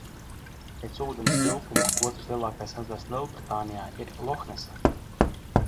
Pēc ūdens tilpuma otrs lielākais ezers Lielbritānijā aiz Lohnesa.